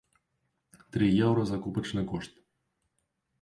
Тры еўра закупачны кошт!